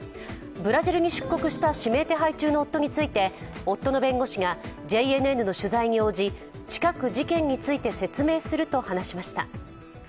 ブラジルに出国した指名手配中の夫について、夫の弁護士がＪＮＮの取材に応じ、近く事件について説明すると話しました。